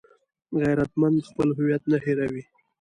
غیرتمند خپل هویت نه هېروي